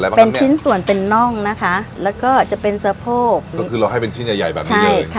อะไรมันชิ้นส่วนเป็นนั่งนะแล้วจะเป็นเฉพาะว่าไปเป็นชิ้นใหญ่บ้างใช่ค่ะ